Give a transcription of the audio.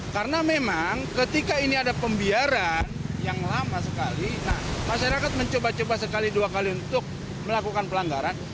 karena memang ketika ini ada pembiaran yang lama sekali masyarakat mencoba coba sekali dua kali untuk melakukan pelanggaran